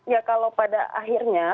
ya kalau pada akhirnya